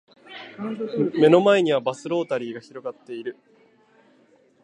目の前にはバスロータリーが広がっている